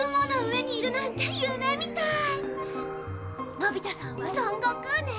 のび太さんは孫悟空ね。